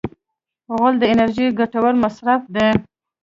غول د انرژۍ ګټور مصرف دی.